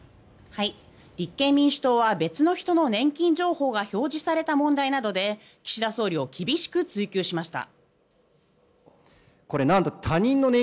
立憲民主党は別の人の年金情報が表示された問題などで岸田総理を厳しく追及しました。